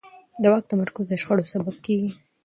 د واک تمرکز د شخړو سبب کېږي